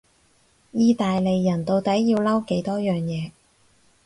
意大利人到底要嬲幾多樣嘢？